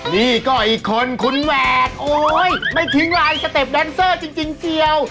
นี่ก็อีกคนคุณแหวดโอ๊ยไม่ทิ้งลายสเต็ปแดนเซอร์จริงเจียว